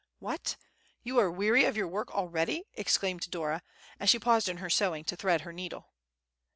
"What, you are weary of your work already!" exclaimed Dora, as she paused in her sewing to thread her needle.